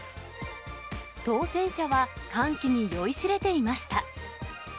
当せん者は、歓喜に酔いしれていました。